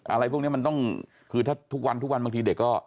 อะไรพวกนี้มันต้องคือถ้าทุกวันทุกวันบางทีเด็กก็